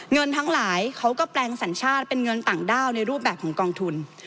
เงินทั้งหลายเขาก็แปลงสัญชาติเป็นเงินต่างด้าวในรูปแบบของกองทุน